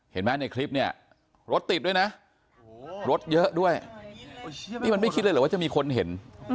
เห็นไหมในคลิปเนี่ยรถติดด้วยนะรถเยอะด้วยนี่มันไม่คิดเลยเหรอว่าจะมีคนเห็น